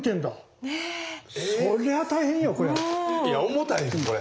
いや重たいよこれ！